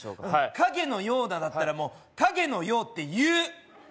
影のようだだったらもう「影のよう」って言う！